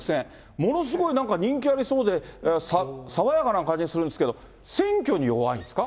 ものすごい人気ありそうで、爽やかな感じするんですが、選挙に弱いんですか？